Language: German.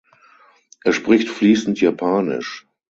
Er spricht fließend Japanisch.